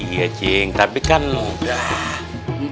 iya cing tapi kan lo udah